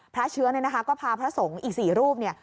พระเชื้อเนี่ยนะคะก็พาพระสงฆ์อีก๔รูปเนี่ย